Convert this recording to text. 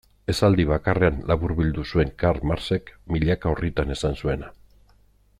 Esaldi bakarrean laburbildu zuen Karl Marxek milaka orritan esan zuena.